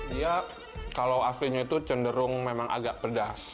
dia kalau aslinya itu cenderung memang agak pedas